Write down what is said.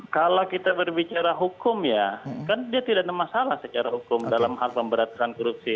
kalau kita berbicara hukum ya kan dia tidak ada masalah secara hukum dalam hal pemberantasan korupsi